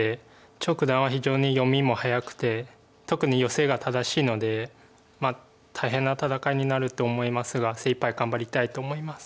張栩九段は非常に読みも早くて特にヨセが正しいので大変な戦いになると思いますが精いっぱい頑張りたいと思います。